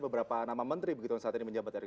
beberapa nama menteri begitu yang saat ini menjabat dari